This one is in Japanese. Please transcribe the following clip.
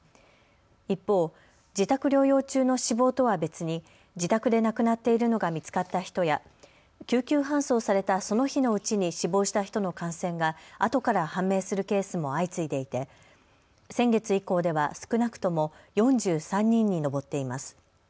一方、自宅療養中の死亡とは別に自宅で亡くなっているのが見つかった人や救急搬送されたその日のうちに死亡した人の感染があとから判明するケースも相次いでいて先月以降では少なくとも４３人に上っています。